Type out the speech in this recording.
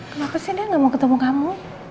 kenapa sih dia gak mau ketemu kamu